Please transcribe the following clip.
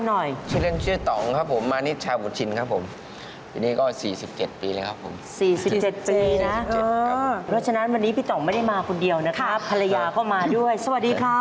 ในเรื่องพวกกายกรรมพี่ต่อมเล่นมากี่ปีแล้ว